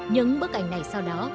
những bức ảnh này sau đó